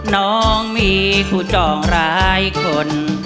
น้องมีผู้จองร้ายคน